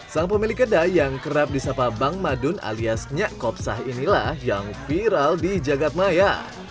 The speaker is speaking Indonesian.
sang pemilik kedai yang kerap disapa bang madun alias nyak kopsah inilah yang viral di jagadmaya